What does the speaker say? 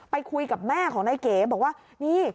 ไปคุยกับแม่ของนายเก๋บอกว่านี่